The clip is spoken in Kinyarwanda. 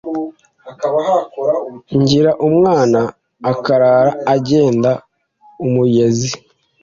Ngira umwana akarara agenda.-Umugezi.